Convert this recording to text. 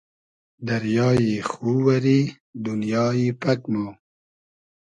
دئریای خو وئری دونیای پئگ مۉ